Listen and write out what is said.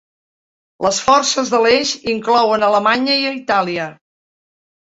Les forces de l'Eix inclouen Alemanya i Itàlia.